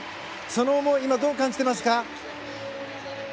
その思い、今どう感じていますか？